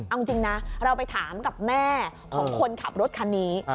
เอาจริงนะเราไปถามกับแม่ของคนขับรถคันนี้